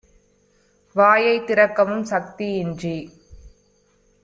வாயைத் திறக்கவும் சக்தி - இன்றி